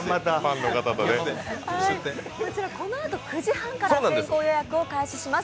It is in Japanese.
このあと９時半から先行予約を開始します。